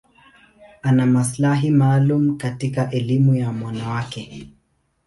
Ana maslahi maalum katika elimu ya wanawake.